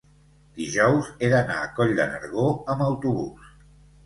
dijous he d'anar a Coll de Nargó amb autobús.